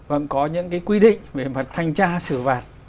vâng có những cái quy định về mặt thanh tra sửa vạt